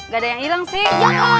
gak ada yang hilang sih